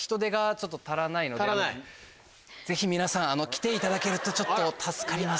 ぜひ皆さん来ていただけるとちょっと助かります。